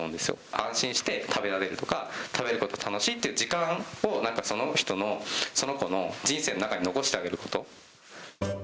安心して食べられるとか、食べることが楽しいという時間を、なんかその人の、その子の人生の中に残してあげること。